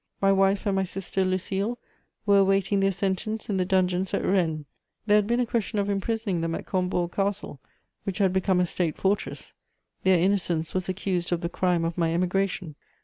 My wife and my sister Lucile were awaiting their sentence in the dungeons at Rennes; there had been a question of imprisoning them at Combourg Castle, which had become a State fortress: their innocence was accused of the crime of my emigration.